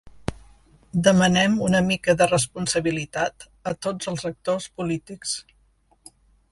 Demanem una mica de responsabilitat a tots els actors polítics.